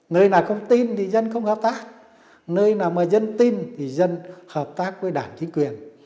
nơi nào không tin thì dân không hợp tác nơi nào mà dân tin thì dân hợp tác với đảng chính quyền